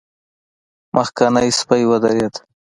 مخکينی سپی ودرېد.